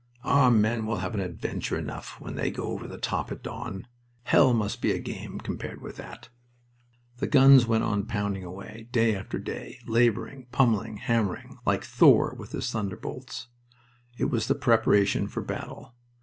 "Our men will have adventure enough when they go over the top at dawn. Hell must be a game compared with that." The guns went on pounding away, day after day, laboring, pummeling, hammering, like Thor with his thunderbolts. It was the preparation for battle.